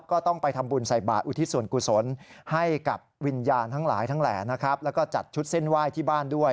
ก็ต้องไปทำบุญใส่บาทอุทิศส่วนกุศลให้กับวิญญาณทั้งหลายทั้งแหล่นะครับแล้วก็จัดชุดเส้นไหว้ที่บ้านด้วย